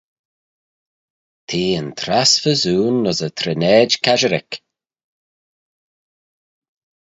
T'eh yn trass phersoon ayns y trinaid casherick.